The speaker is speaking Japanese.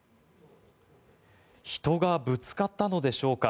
人がぶつかったのでしょうか